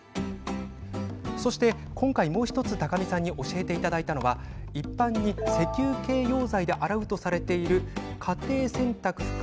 そして、今回もう１つ高見さんに教えていただいたのは一般に石油系溶剤で洗うとされている、家庭洗濯不可